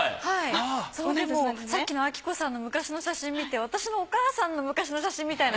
さっきの章子さんの昔の写真見て私のお母さんの昔の写真みたいな。